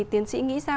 tiến sĩ nghĩ sao